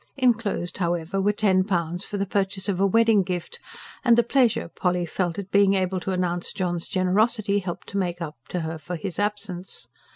Enclosed, however, were ten pounds for the purchase of a wedding gift; and the pleasure Polly felt at being able to announce John's generosity helped to make up to her for his absence.